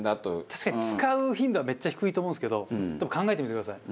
確かに使う頻度はめっちゃ低いと思うんですけどでも考えてみてください。